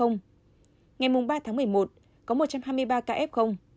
ngày ba tháng một mươi một có một trăm hai mươi ba ca f